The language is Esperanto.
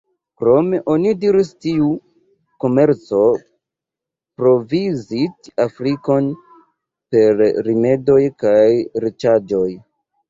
Krome, oni diris, tiu komerco provizis Afrikon per rimedoj kaj riĉaĵoj.